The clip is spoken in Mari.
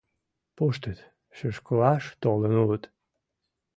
Пуштыт, шӱшкылаш толын улыт!..